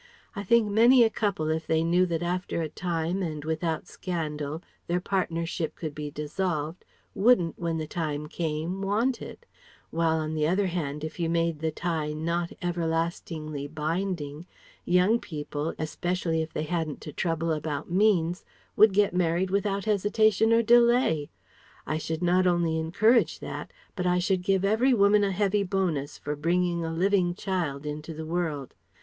I think many a couple if they knew that after a time and without scandal their partnership could be dissolved wouldn't, when the time came, want it. While on the other hand if you made the tie not everlastingly binding, young people especially if they hadn't to trouble about means would get married without hesitation or delay. I should not only encourage that, but I should give every woman a heavy bonus for bringing a living child into the world....